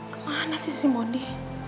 kemana sih si mondi